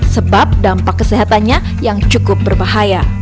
sebab dampak kesehatannya yang cukup berbahaya